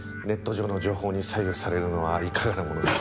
ネット上の情報に左右されるのはいかがなもの。